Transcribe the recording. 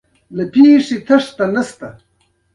غیږ نیول د دوی ملي لوبه ده.